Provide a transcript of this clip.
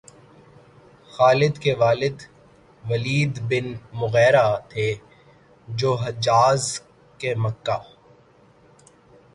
خالد کے والد Walid bin Mughira تھے، جو حجاز کے مکہ